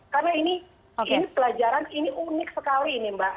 karena ini pelajaran ini unik sekali ini mbak